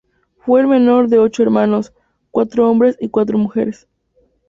Fue el menor de ocho hermanos, cuatro hombres y cuatro mujeres.